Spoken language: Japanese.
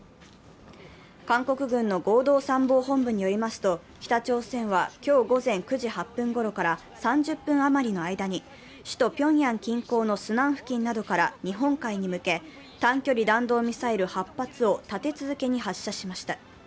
韓国軍の合同参謀本部によりますと、北朝鮮は今日午前９時８分ごろから３０分余りの間に、首都ピョンヤン近郊のスナン付近などから日本海に向け短距離弾道ミサイル８発を立て続けに発射しました。